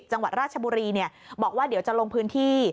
จังหวัดราชบุรีบอกว่าเดี๋ยวจะลงพื้นที่